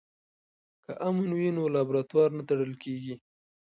که امن وي نو لابراتوار نه تړل کیږي.